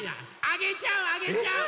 あげちゃうあげちゃう！